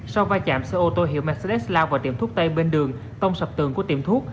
sau va chạm xe ô tô hiệu mercedes cloud vào tiệm thuốc tây bên đường tông sập tường của tiệm thuốc